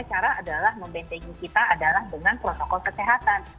yang pertama adalah membentengi kita dengan protokol kesehatan